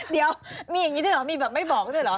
เดี๋ยวมีอย่างนี้ด้วยเหรอมีแบบไม่บอกด้วยเหรอ